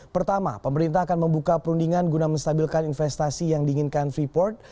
pertama pemerintah akan membuka perundingan guna menstabilkan investasi yang diinginkan freeport